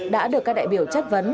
đã được các đại biểu chất vấn